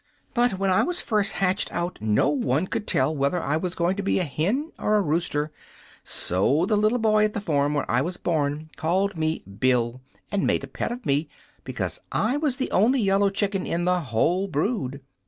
But when I was first hatched out no one could tell whether I was going to be a hen or a rooster; so the little boy at the farm where I was born called me Bill, and made a pet of me because I was the only yellow chicken in the whole brood.